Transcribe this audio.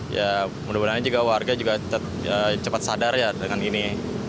ya mudah mudahan juga warga cepat sadar dengan ini